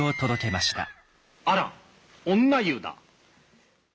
あら女湯だ。